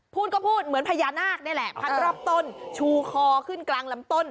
พูดก็พูดเหมือนพญานาคนี่แหละพันรอบต้นชูคอขึ้นกลางลำต้น